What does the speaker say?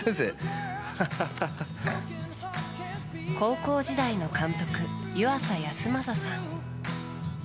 高校時代の監督、湯浅泰正さん。